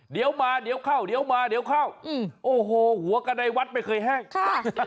เดี๋ยวมาเดี๋ยวเข้าเดี๋ยวมาเดี๋ยวเข้าอืมโอ้โหหัวกันในวัดไม่เคยแห้งค่ะ